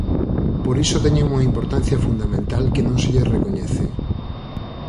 Por iso teñen unha importancia fundamental que non se lles recoñece.